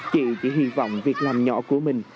chị chỉ hy vọng việc làm nhỏ của mình